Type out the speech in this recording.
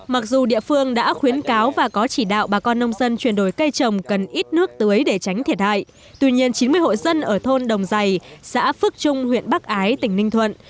mặc dù địa phương đã khuyến cáo và có chỉ đạo bà con nông dân chuyển đổi cây trồng cần ít nước tưới để tránh thiệt hại tuy nhiên chín mươi hộ dân ở thôn đồng giày xã phước trung huyện bắc ái tỉnh ninh thuận